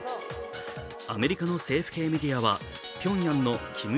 アメリカの政府系メディアはピョンヤンの金日